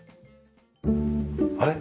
あれ？